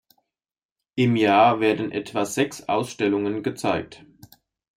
Im Jahr werden etwa sechs Ausstellungen gezeigt.